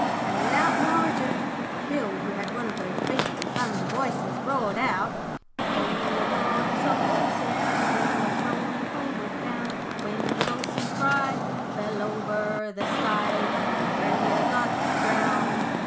And without more ado, Bill, who had one of those beef and thunder voices, roared out 'Ho, aboard the Salt Junk Sarah We was rollin' homeward bound, When the bo'sun's bride fell over the side And very near got drowned.